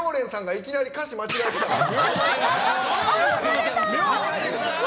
いきなり歌詞を間違えてたから。